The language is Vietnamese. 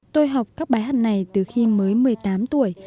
tôi học các bài hát này từ khi mới một mươi tám tuổi